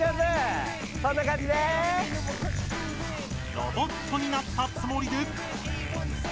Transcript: ロボットになったつもりで。